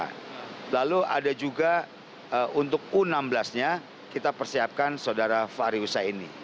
nah lalu ada juga untuk u enam belas nya kita persiapkan saudara fahri husaini